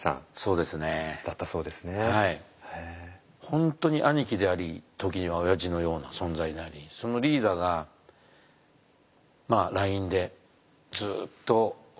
本当に兄貴であり時にはおやじのような存在でありそのリーダーがＬＩＮＥでずっと私に応援してくれてたんですよ。